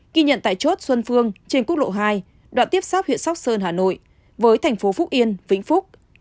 ghi nhận tại chốt xuân phương trên quốc lộ hai đoạn tiếp xác huyện sóc sơn hà nội với thành phố phúc yên vĩnh phúc